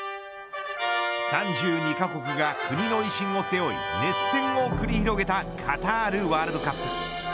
３２カ国が国の威信を背負い熱戦を繰り広げたカタールワールドカップ。